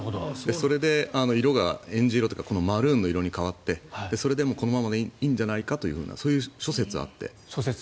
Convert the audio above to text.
それで色が、えんじ色というかマルーンの色に変わってそれでこのままでいいんじゃないかというようなそういう諸説があって。